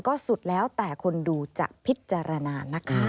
ก็สุดแล้วแต่คนดูจะพิจารณานะคะ